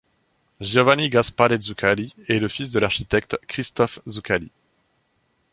Giovanni Gaspare Zuccalli est le fils de l'architecte Christoph Zuccalli.